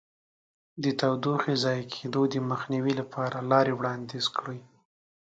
د تودوخې ضایع کېدو د مخنیوي لپاره لارې وړاندیز کړئ.